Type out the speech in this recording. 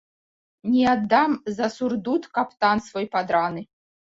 Не аддам за сурдут каптан свой падраны.